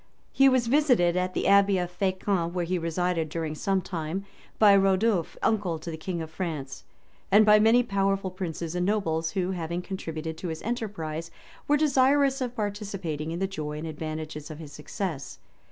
He was visited at the abbey of Fescamp, where he resided during some time, by Rodulph, uncle to the king of France, and by many powerful princes and nobles, who, having contributed to his enterprise, were desirous of participating in the joy and advantages of its success.